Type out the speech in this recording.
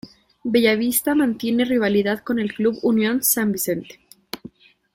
Bella Vista mantiene rivalidad con el club Unión San Vicente.